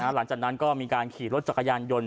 หลังจากนั้นก็มีการขี่รถจักรยานยนต์